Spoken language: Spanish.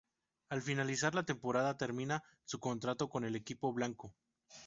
Al finalizar la temporada termina su contrato con el equipo blanco.